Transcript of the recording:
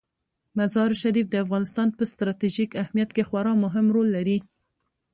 مزارشریف د افغانستان په ستراتیژیک اهمیت کې خورا مهم رول لري.